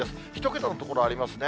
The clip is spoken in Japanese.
１桁の所ありますね。